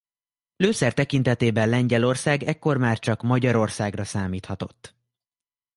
Lőszer tekintetében Lengyelország ekkor már csak Magyarországra számíthatott.